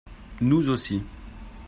Nous aussi